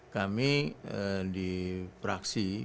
kami di praksi